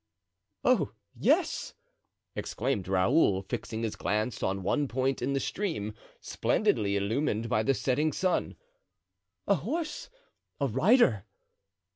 "Oh, yes," exclaimed Raoul, fixing his glance on one point in the stream, splendidly illumined by the setting sun, "a horse, a rider!"